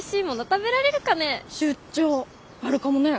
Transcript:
出張あるかもね。